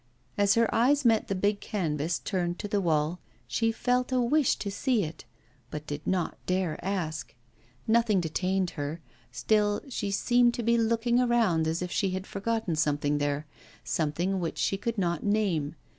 As her eyes met the big canvas turned to the wall she felt a wish to see it, but did not dare to ask. Nothing detained her; still she seemed to be looking around as if she had forgotten something there, something which she could not name.